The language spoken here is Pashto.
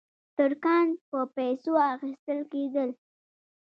ترکان په پیسو اخیستل کېدل.